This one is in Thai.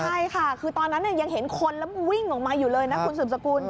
ใช่ค่ะคือตอนนั้นยังเห็นคนแล้ววิ่งออกมาอยู่เลยนะคุณสืบสกุล